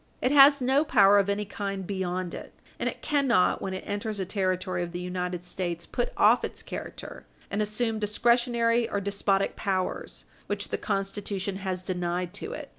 It has no power of any kind beyond it, and it cannot, when it enters a Territory of the United States, put off its character and assume discretionary or despotic powers which the Constitution has denied to it.